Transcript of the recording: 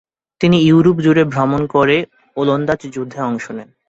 তিনি ইউরোপ জুড়ে ভ্রমণ করে ওলন্দাজ যুদ্ধে অংশ নেন।